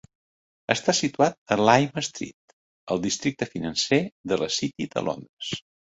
Està situat a Lime Street, al districte financer de la City de Londres.